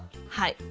はい。